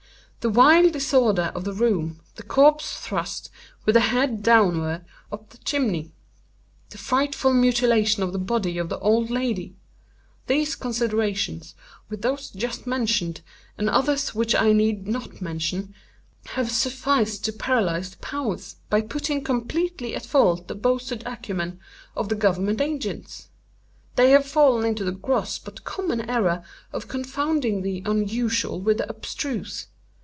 The wild disorder of the room; the corpse thrust, with the head downward, up the chimney; the frightful mutilation of the body of the old lady; these considerations, with those just mentioned, and others which I need not mention, have sufficed to paralyze the powers, by putting completely at fault the boasted acumen, of the government agents. They have fallen into the gross but common error of confounding the unusual with the abstruse.